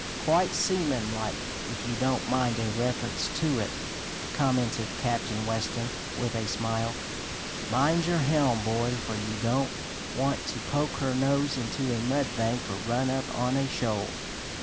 Quite seaman like, if you don't mind a reference to it," commented Captain Weston with a smile. "Mind your helm, boy, for you don't want to poke her nose into a mud bank, or run up on a shoal."